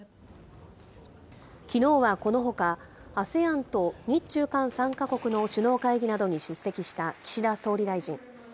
きのうはこのほか、ＡＳＥＡＮと日中韓３か国の首脳会議などに出席した岸田総理大臣。